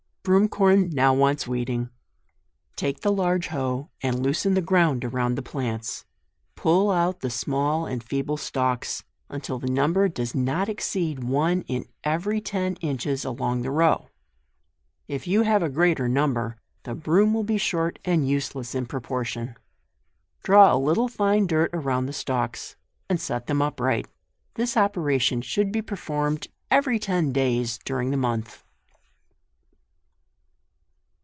JUNE. 147 BROOM CORN now wants weeding. Take the large hoe, and loosen the ground around the plants ; pull out the small and feeble stalks, until the num ber does not exceed one in every ten inches along the row. If you have a greater num ber, the broom will be short and useless in proportion. Draw a little tine dirt around the stalks, and set them upright. This ope ration should be performed every ten days during the month.